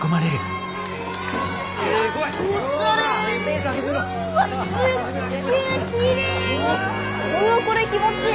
うわこれ気持ちいい。